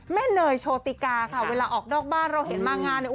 เนยโชติกาค่ะเวลาออกนอกบ้านเราเห็นมางานเนี่ย